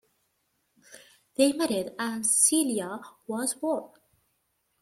They married, and Celia was born.